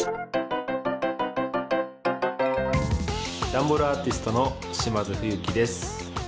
ダンボールアーティストの島津冬樹です。